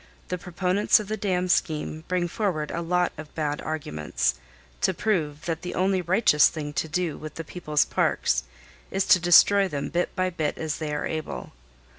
The proponents of the dam scheme bring forward a lot of bad arguments to prove that the only righteous thing to do with the people's parks is to destroy them bit by bit as they are able.